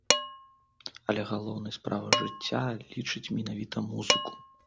Але галоўнай справай жыцця лічыць менавіта музыку.